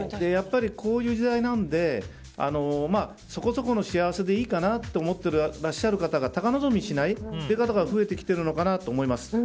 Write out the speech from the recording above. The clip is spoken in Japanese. こういう時代なのでそこそこの幸せでいいかなと思っていらっしゃる方高望みしないという方が増えてきてるのかなと思います。